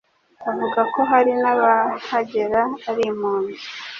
Avuga ko hari n'abahagera ari impunzi